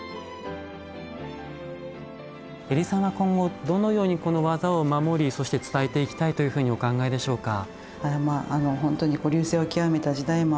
江里さんは今後どのようにこの技を守りそして伝えていきたいというふうにお考えでしょうか？